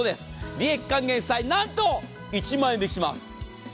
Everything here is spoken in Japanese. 利益還元祭、何と１万円引きします。